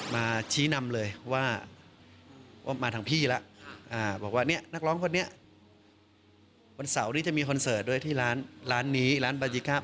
มาชี้นำเลยว่ามาทางพี่แล้วบอกว่าเนี่ยนักร้องคนนี้วันเสาร์นี้จะมีคอนเสิร์ตด้วยที่ร้านนี้ร้านบายิก้า